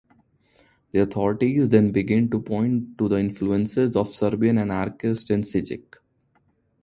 The authorities then began to point to the influences of Serbian anarchists in Osijek.